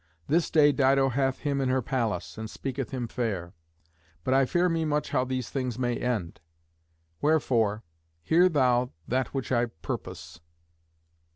This day Dido hath him in her palace, and speaketh him fair; but I fear me much how these things may end. Wherefore hear thou that which I purpose.